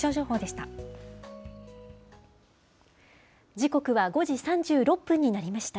時刻は５時３６分になりました。